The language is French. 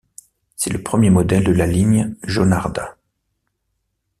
C'est le premier modèle de la ligne Jornada.